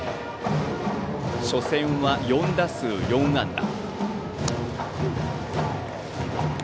初戦は４打数４安打。